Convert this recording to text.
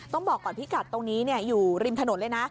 ต้องบอกก่อนพิกัดตรงนี้อยู่ริมถนนเลยนะ